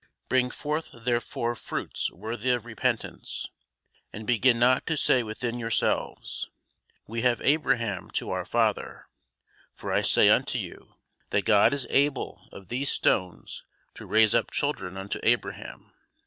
Bring forth therefore fruits worthy of repentance, and begin not to say within yourselves, We have Abraham to our father: for I say unto you, That God is able of these stones to raise up children unto Abraham.